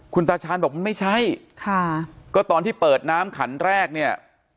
คุณตาชาญบอกมันไม่ใช่ค่ะก็ตอนที่เปิดน้ำขันแรกเนี่ย